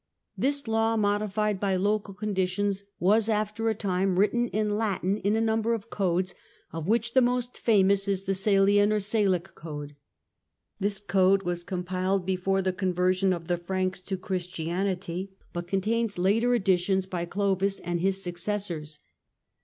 This law, modified by local conditions, was after a time written in Latin in a number of codes, of which the most famous is the Salian or Salic Law. This code was compiled before the conversion of the Franks to Christianity, but contains later additions by Clovis and his successors.